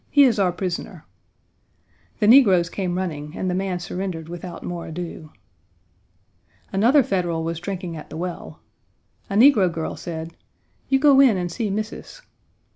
He is our prisoner." The negroes came running, and the man surrendered without more ado. Another Federal was drinking at the well. A negro girl said: "You go in and see Missis."